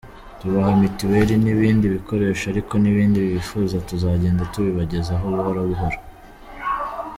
Tubaha mitiweri n’ibindi bikoresho ariko n’ibindi bifuza tuzagenda tubibagezaho buhorobuhoro”.